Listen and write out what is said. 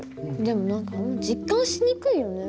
でも何かあんま実感しにくいよね。